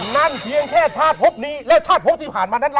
นั่นเพียงแค่ชาติพบนี้และชาติพบที่ผ่านมานั้น